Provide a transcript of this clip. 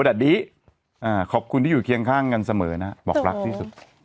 แบบนี้ขอบคุณที่อยู่เคียงข้างกันเสมอนะบอกรักที่สุด